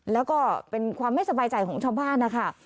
แล้วก็เป็นความไม่สบายใจของชาวบ้านนะคะ